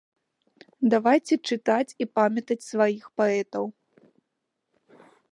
Давайце чытаць і памятаць сваіх паэтаў.